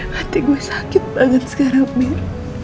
hati gue sakit banget sekarang mir